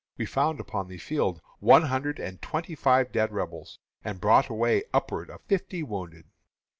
We found upon the field one hundred and twenty five dead Rebels, and brought away upward of fifty wounded.